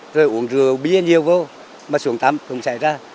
rồi uống rượu bia nhiều vô mà xuống tắm cũng xảy ra